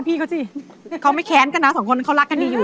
พี่เขาสิเขาไม่แค้นกันนะสองคนเขารักกันดีอยู่